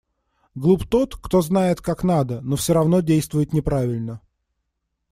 Глуп тот, кто знает, как надо, но всё равно действует неправильно.